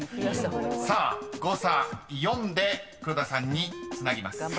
［さあ誤差４で黒田さんにつなぎます］